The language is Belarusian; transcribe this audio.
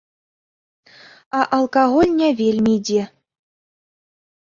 А алкаголь не вельмі ідзе.